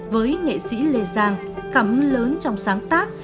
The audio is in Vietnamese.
với nghệ sĩ lê giang cảm ứng lớn trong sáng tác